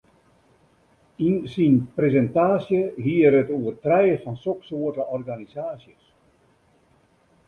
Yn syn presintaasje hie er it oer trije fan soksoarte organisaasjes.